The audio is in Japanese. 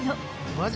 マジ？